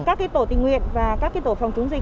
các tổ tình nguyện và các tổ phòng chống dịch